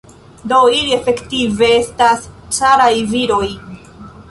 Do ili efektive estas caraj viroj.